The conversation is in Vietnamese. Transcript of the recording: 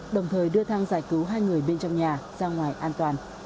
đồng thời đưa thang giải cứu hai người bên trong nhà ra ngoài an toàn